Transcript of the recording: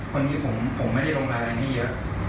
คนนี้ผมไม่ได้ลงรายแรงให้เยอะแต่ว่าคนนั้นผมลงให้เยอะ